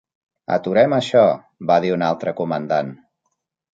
"Aturem això", va dir un altre comandant.